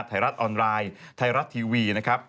ไทยรัฐออนไลน์ไทยรัฐทีวีนะครับ